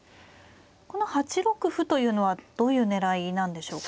この８六歩というのはどういう狙いなんでしょうか。